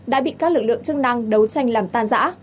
đã bị các lực lượng chức năng đấu tranh làm tan giã